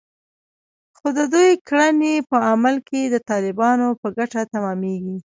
خو د دوی کړنې په عمل کې د طالبانو په ګټه تمامېږي